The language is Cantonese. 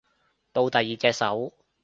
到第二隻手